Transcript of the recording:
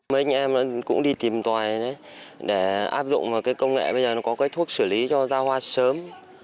mấy anh em cũng đi tìm toài để áp dụng công nghệ bây giờ có thuốc xử lý cho ra hoa sớm